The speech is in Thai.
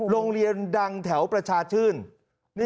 โรงเรียนดังแถวประชาชื่น